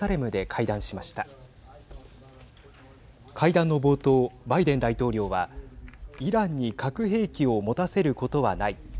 会談の冒頭、バイデン大統領はイランに核兵器を持たせることはない。